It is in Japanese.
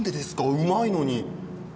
うまいのに。